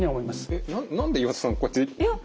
えっ何で岩田さんこうやって体。